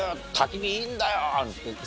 いいんだよって。